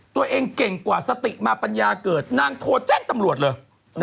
ตัวเองเก่งกว่าสติมาปัญญาเกิดนางโทรแจ้งตำรวจเลย